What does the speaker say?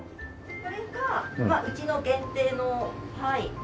これがうちの限定の。